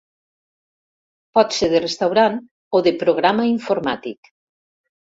Pot ser de restaurant o de programa informàtic.